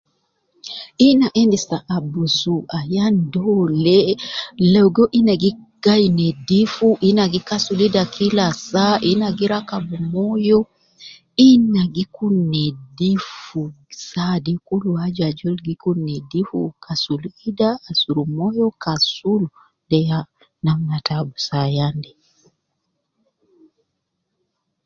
Ina endis te abusu ayan dole logo ina gi gai nedifu, ina gi kasul ida kila saa, ina gi rakab moyo, ina gi kun nedifu saa de kulu aju ajol gi kun nedifu kasul ida, asurub moyo kasul, de ya namna te abus ayan de